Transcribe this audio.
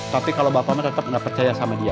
tapi kalau bapaknya tetep gak percaya sama dia